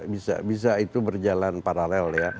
bisa bisa itu berjalan paralel ya